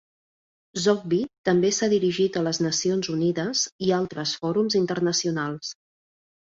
Zogby també s'ha dirigit a les Nacions Unides i altres fòrums internacionals.